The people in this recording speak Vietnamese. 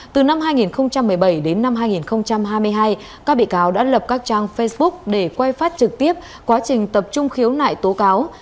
từ năm hai nghìn một mươi bảy đến năm hai nghìn hai mươi hai các bị cáo đã lập các trang facebook để quay phát trực tiếp quá trình tập trung khiếu nại tố cáo